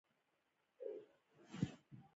هیڅ بل انساني ډول دغه سیمې ته نه و ننوتی.